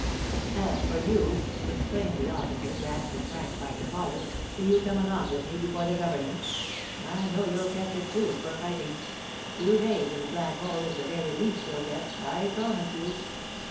"As for you," exclaimed the officer, grasping Frank by the collar, "do you come along with me before the governor. I know you'll catch it, too, for fighting; two days in the black hole is the very least you'll get, I promise you."